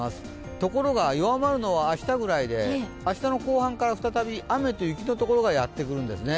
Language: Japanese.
ところが弱まるのは明日ぐらいで、明日の後半から再び雨と雪のところがやってくるんですね。